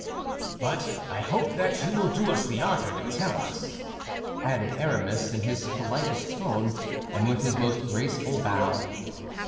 "But I hope that you will do us the honor to tell us," added Aramis, in his politest tone and with his most graceful bow.